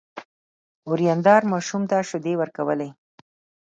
ورېندار ماشوم ته شيدې ورکولې.